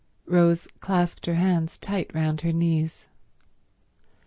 .. Rose clasped her hands tight round her knees.